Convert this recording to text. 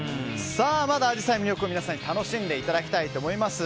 まだアジサイの魅力を皆さんに楽しんでいただきたいと思います。